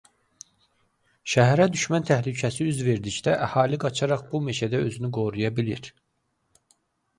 Şəhərə düşmən təhlükəsi üz verdikdə əhali qaçaraq bu meşədə özünü qoruya bilir.